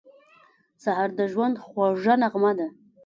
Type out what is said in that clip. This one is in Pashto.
سهار د ژوند خوږه نغمه ده.